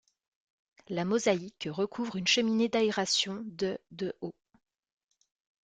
La mosaïque recouvre une cheminée d'aération de de haut.